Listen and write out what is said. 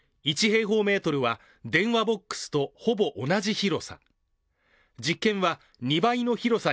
１平方メートルは、電話ボックスとほぼ同じ広さ。